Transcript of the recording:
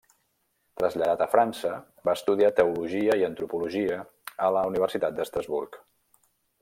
Traslladat a França, va estudiar Teologia i Antropologia a la Universitat d'Estrasburg.